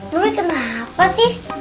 mli kenapa sih